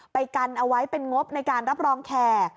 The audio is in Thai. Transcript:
ไปกันเอาไว้เป็นงบในการรับรองแขก